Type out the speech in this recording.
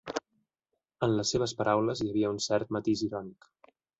En les seves paraules hi havia un cert matís irònic.